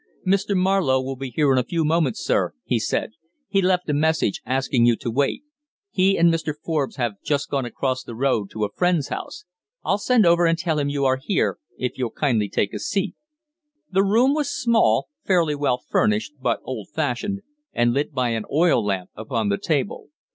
"Mr. Marlowe will be here in a few moments, sir," he said; "he left a message asking you to wait. He and Mr. Forbes have just gone across the road to a friend's house. I'll send over and tell him you are here, if you'll kindly take a seat." The room was small, fairly well furnished, but old fashioned, and lit by an oil lamp upon the table.